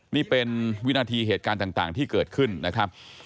นี่เป็นวินาทีเหตุการณ์ต่างที่เกิดขึ้นนะครับ